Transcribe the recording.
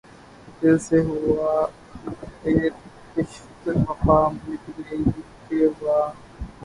دل سے ہواے کشتِ وفا مٹ گئی کہ واں